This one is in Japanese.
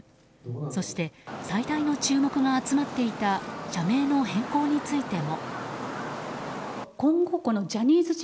そして最大の注目が集まっていた社名の変更についても。